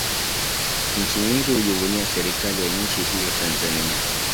Nchi nyingi hujivunia serikali ya nchi hii ya Tanzania